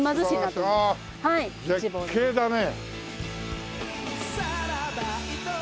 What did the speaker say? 絶景だね！